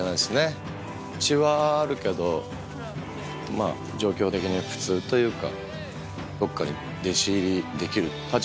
まぁ状況的に普通というか。